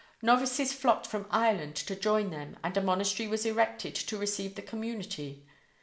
Novices flocked from Ireland to join them and a monastery was erected to receive the community.